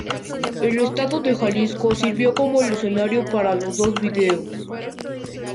El estado de Jalisco sirvió como el escenario para los dos videos.